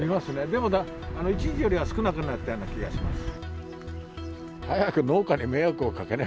でも一時よりは少なくなったような気がします。